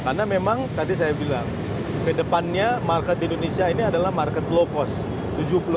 karena memang tadi saya bilang kedepannya market di indonesia ini adalah market low cost